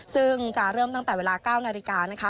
ซึ่งจะเริ่มตั้งแต่เวลา๙นาฬิกานะคะ